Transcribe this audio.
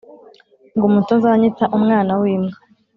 ngo mutazanyita umwana w’imbwa